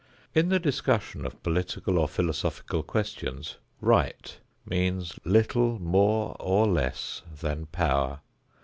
In the discussion of political or philosophical questions, "right" means little more or less than "power."